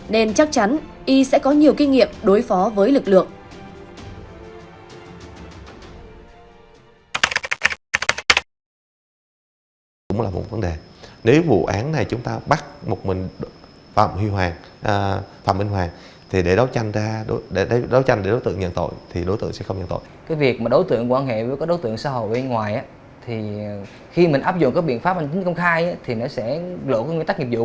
nên chắc chắn y sẽ có nhiều kinh nghiệm đối phó với lực lượng